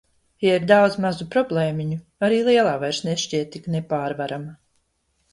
Ja ir daudz mazu problēmiņu, arī lielā vairs nešķiet tik nepārvarama.